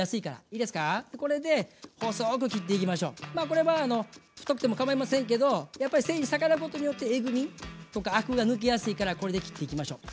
これは太くてもかまいませんけどやっぱり繊維に逆らうことによってえぐみとかアクが抜けやすいからこれで切っていきましょう。